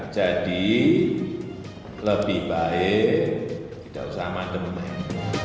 jadi lebih baik tidak usah amandemen